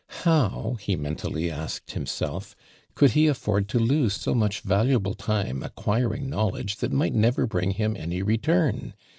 " How," he mentally asked himself, "could he afford to lose so much valuable time acquiring knowledge that might never bring him any return.